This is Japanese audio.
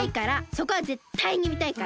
そこはぜったいにみたいから！